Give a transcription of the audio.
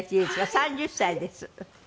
３０歳です。